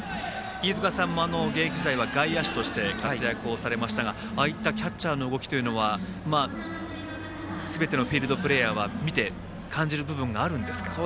飯塚さんも現役時代は外野手として活躍をされましたがああいったキャッチャーの動きというのはすべてのフィールドプレーヤーは見て感じる部分があるんですか？